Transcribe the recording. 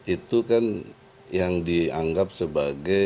itu kan yang dianggap sebagai